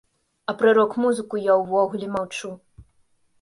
А пра рок-музыку я ўвогуле маўчу.